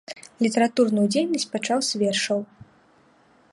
Літаратурную дзейнасць пачаў з вершаў.